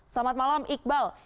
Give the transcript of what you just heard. selamat malam iqbal